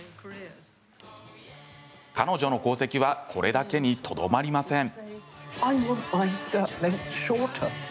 彼女の功績はこれだけに、とどまりません。